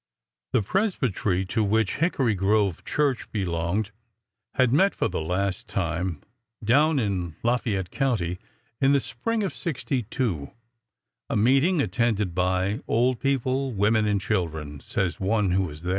The presbytery to which Hickory Grove church be longed had met for the last time down in Lafayette County in the spring of '62,— a meeting attended by old people, women, and children," says one who was there.